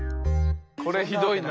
これひどいな。